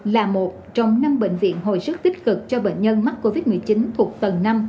là một trong năm bệnh viện hồi sức tích cực cho bệnh nhân mắc covid một mươi chín thuộc tầng năm